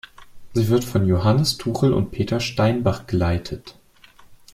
Sie wird von Johannes Tuchel und Peter Steinbach geleitet.